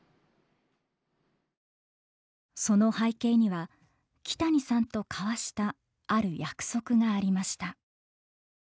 その背景には木谷さんと交わしたある約束がありました。